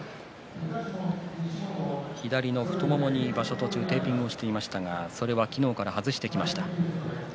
左の太ももに場所中にテーピングをしていましたが昨日から外しています。